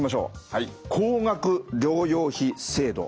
はい高額療養費制度。